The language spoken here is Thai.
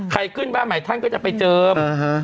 ขึ้นบ้านใหม่ท่านก็จะไปเจิม